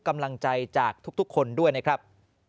กำลังใจจากทุกคนด้วยนะครับ